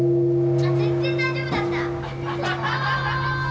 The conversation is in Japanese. あっ全然大丈夫だった！